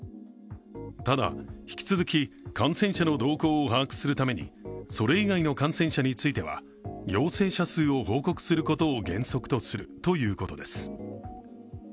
ただ、引き続き、感染者の動向を把握するためにそれ以外の感染者については陽性者数を報告することを原則とするということです。